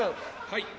はい。